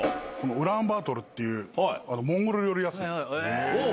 ウランバートルっていうモンゴル料理屋っすね。